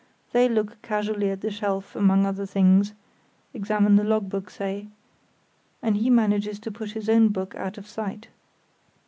They look casually at the shelf among other things—examine the logbook, say—and he manages to push his own book out of sight.